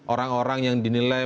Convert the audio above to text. orang orang yang dinilai